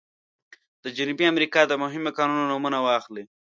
د جنوبي امریکا د مهمو کانونو نومونه واخلئ.